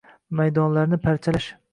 Maydonlarni parchalash